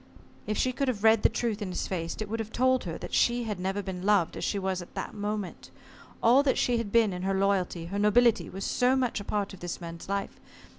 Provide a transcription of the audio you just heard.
If she could have read the truth in his face, it would have told her that she had never been loved as she was at that moment. All that she had been in her loyalty, her nobility, was so much a part of this man's life.